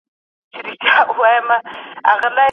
دویني ډول تعینول ژوند لپاره ګټور دی.